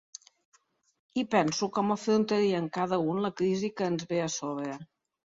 I penso com afrontarien cada un la crisi que ens ve a sobre.